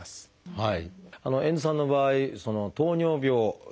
はい。